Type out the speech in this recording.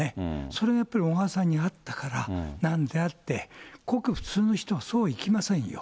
それがやっぱり、小川さんにあったからなんであって、ごく普通の人はそういきませんよ。